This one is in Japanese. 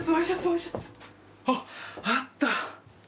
おっあった。